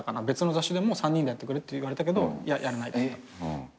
別の雑誌でも３人でやってくれって言われたけどいややらない。